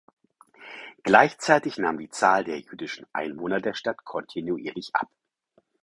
Gleichzeitig nahm die Zahl der jüdischen Einwohner der Stadt kontinuierlich ab.